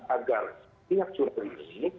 agar minyak curah ini